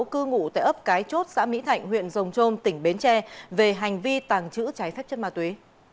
cư ngụ tại ấp cái chốt xã mỹ thạnh huyện rồng trôm tỉnh bến tre về hành vi tàng trữ trái phép chất ma túy